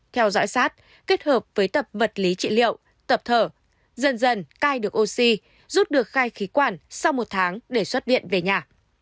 theo dõi sát kết hợp với tập vật lý trị liệu tập thở dần dần cai được oxy rút được khai khí quản sau một tháng để xuất điện về nhà